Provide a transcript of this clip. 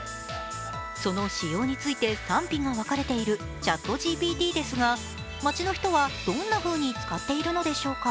その使用について賛否が分かれているＣｈａｔＧＰＴですが街の人はどんなふうに使っているのでしょうか。